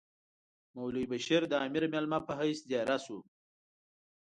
مولوی بشیر د امیر مېلمه په حیث دېره شو.